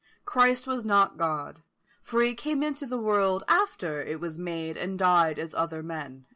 Christ was not God; for he came into the world after it was made, and died as other men."